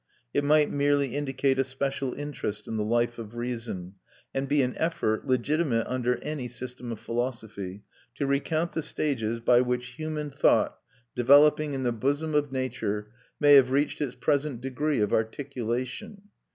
It might merely indicate a special interest in the life of reason, and be an effort, legitimate under any system of philosophy, to recount the stages by which human thought, developing in the bosom of nature, may have reached its present degree of articulation.